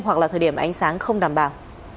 hoặc là thời điểm ánh sáng không đảm bảo